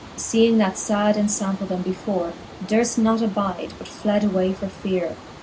Seeing that fad enfample them before, Durfl not abide, but fled away for feare.